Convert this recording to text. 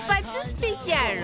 スペシャル